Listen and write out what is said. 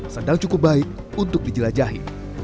sedang cukup baik untuk dijelajahi